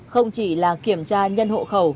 không chỉ là kiểm tra nhân hộ khẩu